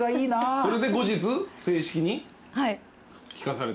それで後日正式に聞かされて？